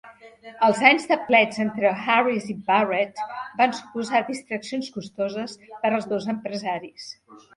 Els anys de plets entre Harris i Barrett van suposar distraccions costoses per als dos empresaris.